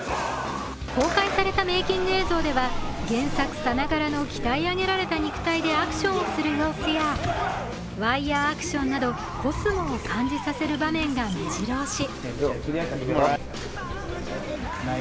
公開されたメイキング映像では、原作さながらの鍛え上げられた肉体でアクションをする様子や、ワイヤーアクションなどコスモを感じさせる場面が目白押し。